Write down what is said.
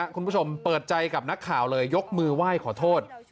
เปิดใจกับนักข่าวเลยยกมือไหว้ขอโทษ